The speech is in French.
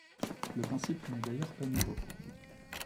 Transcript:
Le principe n’est d’ailleurs pas nouveau.